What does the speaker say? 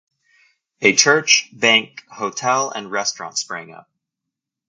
A church, bank, hotel and restaurant sprang up.